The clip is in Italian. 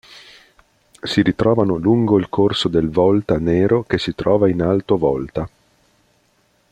Si ritrovano lungo il corso del Volta Nero che si trova in Alto Volta.